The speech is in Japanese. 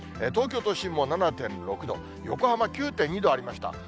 東京都心も７．６度、横浜９．２度ありました。